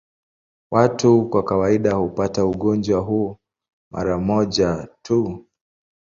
Watu kwa kawaida hupata ugonjwa huu mara moja tu.